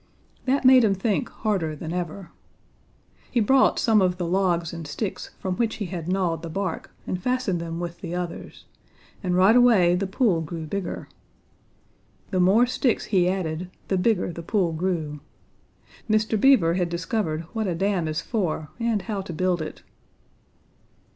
That made him think harder than ever. He brought some of the logs and sticks from which he had gnawed the bark and fastened them with the others, and right away the pool grew bigger. The more sticks he added, the bigger the pool grew. Mr. Beaver had discovered what a dam is for and how to build it.